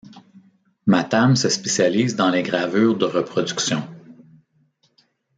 Matham se spécialise dans les gravures de reproduction.